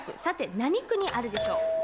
さて何区にあるでしょう？